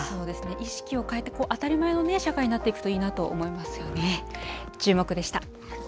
意識を変えて、当たり前の社会になっていくといいなと思いますよね。